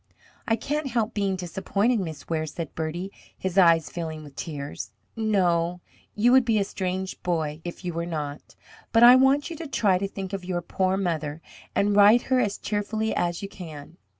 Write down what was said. "I can't help being disappointed, Miss Ware," said Bertie, his eyes filling with tears. "No; you would be a strange boy if you were not. But I want you to try to think of your poor mother, and write her as cheerfully as you can."